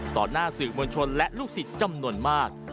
หน้าสื่อมวลชนและลูกศิษย์จำนวนมาก